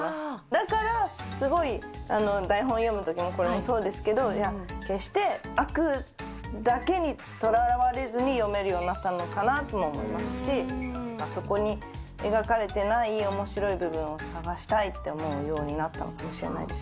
だからすごい台本読むときもこれもそうですけど、いや、決して、悪だけにとらわれずに読めるようになったのかなとも思いますし、そこに描かれてないおもしろい部分を探したいって思うようになったのかもしれないです。